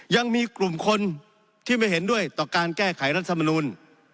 ยังมีกลุ่มคนที่ไม่เห็นด้วยต่อการแก้ไขรัฐมนูล